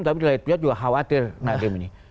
tapi lain lainnya juga khawatir nadiem ini